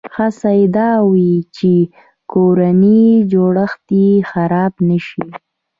هڅه یې دا وي چې کورنی جوړښت یې خراب نه شي.